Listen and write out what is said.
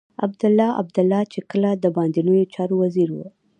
عبدالله عبدالله چې کله د باندنيو چارو وزير و.